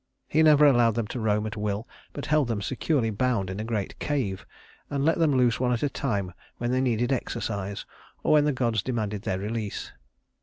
He never allowed them to roam at will, but held them securely bound in a great cave, and let them loose one at a time when they needed exercise or when the gods demanded their release.